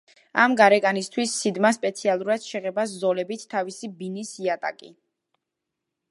ამ გარეკანისთვის სიდმა სპეციალურად შეღება ზოლებით თავისი ბინის იატაკი.